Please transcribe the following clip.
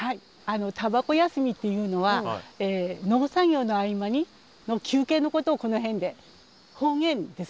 あの「たばこ休み」っていうのは農作業の合間の休憩のことをこの辺で。